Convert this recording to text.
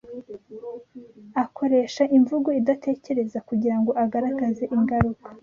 akoresha imvugo "idatekereza" kugira ngo agaragaze ingaruka